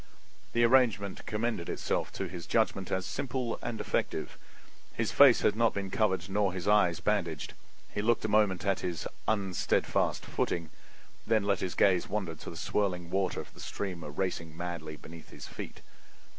The arrangement commended itself to his judgement as simple and effective. His face had not been covered nor his eyes bandaged. He looked a moment at his "unsteadfast footing," then let his gaze wander to the swirling water of the stream racing madly beneath his feet.